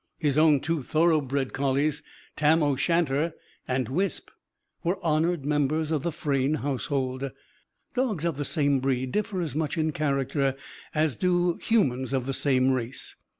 His own two thoroughbred collies, Tam o' Shanter and Wisp, were honoured members of the Frayne household. Dogs of the same breed differ as much in character as do humans of the same race.